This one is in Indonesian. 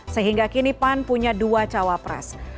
sehingga kini pan punya dua cawapres